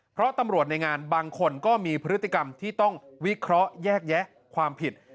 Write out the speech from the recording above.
เพราะตำรวจในงานบางคนก็มีพฤติกรรมที่ต้องวิเคราะห์แยกแยะความผิด